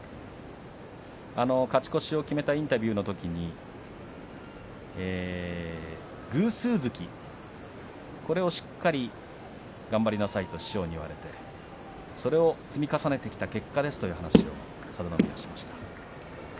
きょうはインタビューのときに偶数月、これをしっかり頑張りなさいと師匠に言われてそれを積み重ねてきた結果ですと佐田の海は話していました。